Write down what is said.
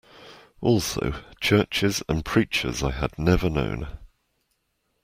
Also, churches and preachers I had never known.